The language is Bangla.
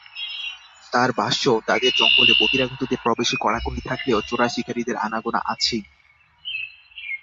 তাঁর ভাষ্য, তাঁদের জঙ্গলে বহিরাগতদের প্রবেশে কড়াকড়ি থাকলেও চোরা শিকারিদের আনাগোনা আছেই।